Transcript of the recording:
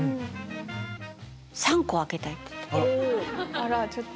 あらちょっと。